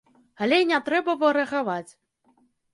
Але не трэба варагаваць.